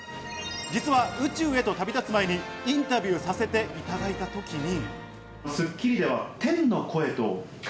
実は宇宙へと旅立つ前にインタビューさせていただいた時に。